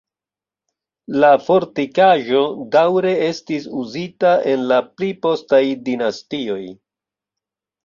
La fortikaĵo daŭre estis uzita en la pli postaj dinastioj.